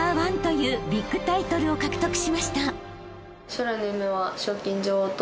将来の夢は。